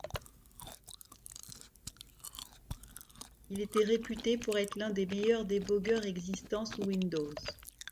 Il était réputé pour être l'un des meilleurs débogueurs existants sous Windows.